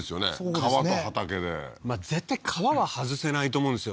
川と畑で絶対川は外せないと思うんですよ